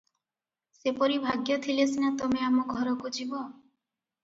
ସେପରି ଭାଗ୍ୟ ଥିଲେ ସିନା ତମେ ଆମ ଘରକୁ ଯିବ ।